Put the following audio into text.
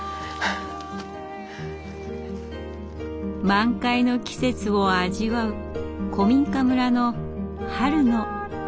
満開の季節を味わう古民家村の春の物語です。